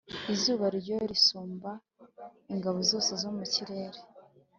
izuba ryo risumba ingabo zose zo mu kirere